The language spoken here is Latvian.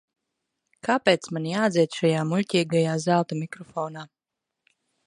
Kāpēc man jādzied šajā muļķīgajā zelta mikrofonā?